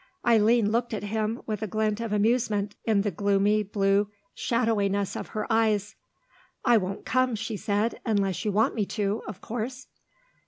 Eileen looked at him with a glint of amusement in the gloomy blue shadowiness of her eyes. "I won't come," she said, "unless you want me to, of course."